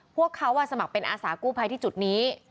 พวกเขาสมัครเป็นอาสากู้ภัยที่จุดนี้